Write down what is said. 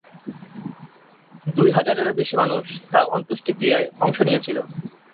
দুই হাজারেরও বেশি মানুষ তার অন্ত্যেষ্টিক্রিয়ায় অংশ নিয়েছিল।